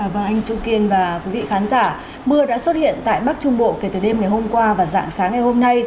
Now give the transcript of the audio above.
vâng anh trung kiên và quý vị khán giả mưa đã xuất hiện tại bắc trung bộ kể từ đêm ngày hôm qua và dạng sáng ngày hôm nay